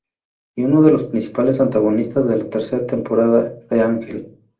Y uno de los principales antagonistas de la tercera temporada de "Ángel".